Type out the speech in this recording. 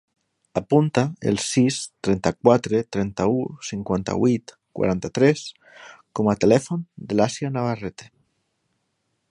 Apunta el sis, trenta-quatre, trenta-u, cinquanta-vuit, quaranta-tres com a telèfon de l'Assia Navarrete.